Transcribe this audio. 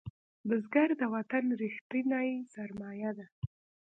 بزګر د وطن ریښتینی سرمایه ده